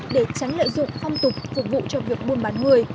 để tránh lợi dụng phong tục phục vụ cho việc buôn bán người